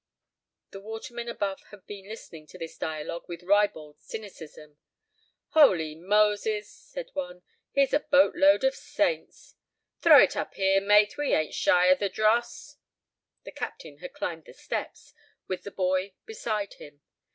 The watermen above had been listening to this dialogue with ribald cynicism. "Holy Moses," said one, "here's a boat load of saints!" "Throw it up here, mate, we ain't shy of the dross." The captain had climbed the steps, with the boy beside him.